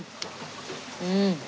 うん。